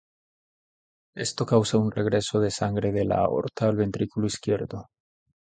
Esto causa un regreso de sangre de la aorta al ventrículo izquierdo.